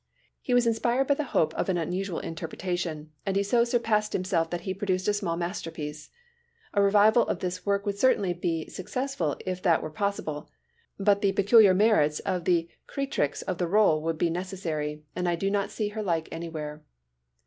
He was inspired by the hope of an unusual interpretation and he so surpassed himself that he produced a small masterpiece. A revival of this work would certainly be successful if that were possible, but the peculiar merits of the creatrix of the rôle would be necessary and I do not see her like anywhere.